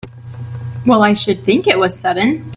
Well I should think it was sudden!